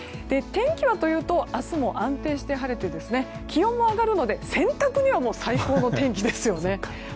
天気はというと明日も安定して晴れて気温は上がるので洗濯には最高の天気です。